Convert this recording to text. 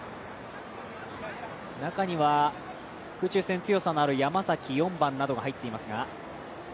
中には空中戦、強さのある山崎、４番が入っています。